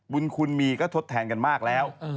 บุญคุณมีก็ทดแทนกันมากแล้ว